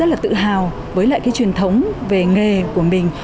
rất là tự hào với lại cái truyền thống về nghề của mình